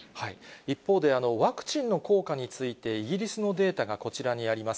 一方で、ワクチンの効果について、イギリスのデータがこちらにあります。